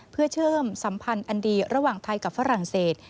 เพื่อเชื่อมสัมพันธ์อันดีระหว่างไทยกับฝรั่งเศส